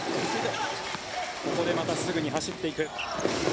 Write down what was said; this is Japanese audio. ここでまたすぐに走っていく。